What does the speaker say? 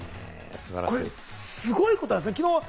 これすごいことなんですよ。